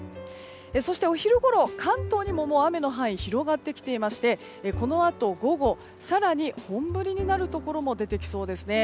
そしてお昼ごろ、関東にも雨の範囲広がってきていましてこのあと午後更に本降りになるところも出てきそうですね。